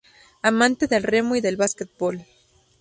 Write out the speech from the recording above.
Amante del remo y del básquetbol.